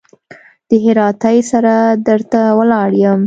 د هراتۍ سره در ته ولاړ يم.